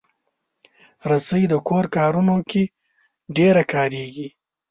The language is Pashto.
رسۍ د کور کارونو کې ډېره کارېږي.